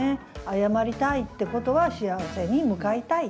謝りたいってことは幸せに向かいたい。